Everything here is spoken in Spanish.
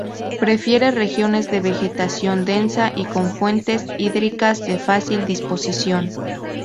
Prefiere regiones de vegetación densa y con fuentes hídricas de fácil disposición.